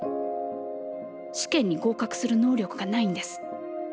試験に合格する能力がないんです。